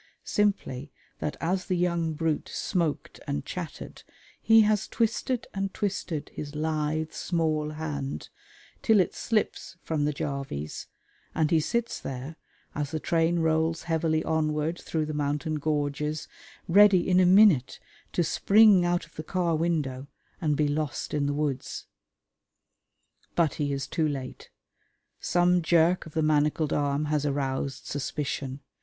Simply that as the young brute smoked and chatted he has twisted and twisted his lithe, small hand till it slips from the jarvies, and he sits there, as the train rolls heavily onward through the mountain gorges, ready in a minute to spring out of the car window and be lost in the woods. But he is too late. Some jerk of the manacled arm has aroused suspicion.